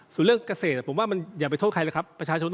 ส่วนเรื่องเกษตรผมว่าอย่าไปโทษใครนะครับ